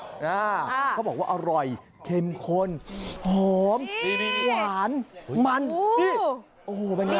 ชาชักเขาบอกว่าอร่อยเค็มข้นหอมหวานมันอุ้ยโอ้โหเป็นยังไง